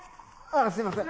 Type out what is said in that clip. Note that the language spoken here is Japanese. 「あすいません」。